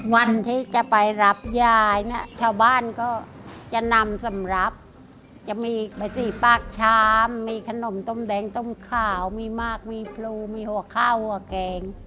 วันที่จะไปรับยายเนี่ยชาวบ้านก็จะนำสำหรับจะมีภาษีปากชามมีขนมต้มแดงต้มขาวมีมากมีพลูมีหัวข้าวหัวแกง